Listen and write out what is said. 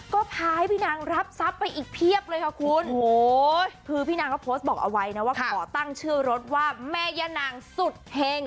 ก็พาให้พี่นางรับทรัพย์ไปอีกเพียบเลยค่ะคุณโอ้โหคือพี่นางก็โพสต์บอกเอาไว้นะว่าขอตั้งชื่อรถว่าแม่ย่านางสุดเฮง